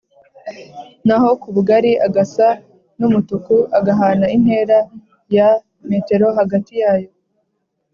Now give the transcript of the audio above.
naho kubugari agasa n’umutuku agahana intera ya m hagati yayo